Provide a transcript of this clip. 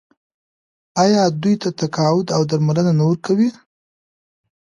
آیا دوی ته تقاعد او درملنه نه ورکوي؟